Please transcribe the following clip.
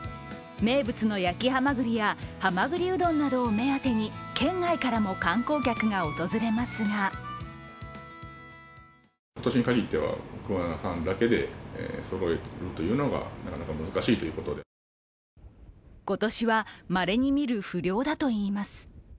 名物の焼きはまぐりやはまぐりうどんなどを目当てに県外からも観光客が訪れますが今年は、まれに見る不漁だといいます。